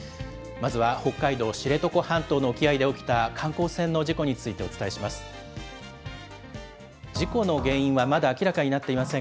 まずは北海道知床半島の沖合で起きた観光船の事故についてお伝えします。